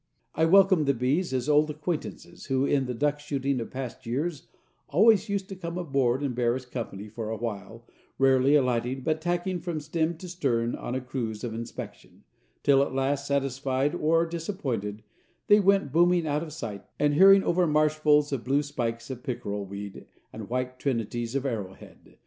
I welcomed the bees as old acquaintances, who, in the duck shooting of past years, always used to come aboard and bear us company for awhile, rarely alighting, but tacking from stem to stern on a cruise of inspection, till at last, satisfied or disappointed, they went booming out of sight and hearing over marshfuls of blue spikes of pickerel weed and white trinities of arrowhead.